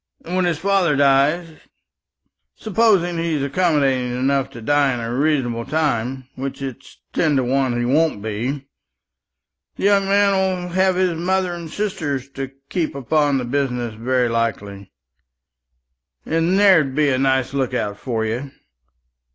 And when his father dies supposing he's accommodating enough to die in a reasonable time, which it's ten to one he won't be the young man will have his mother and sisters to keep upon the business very likely, and there'd be a nice look out for you.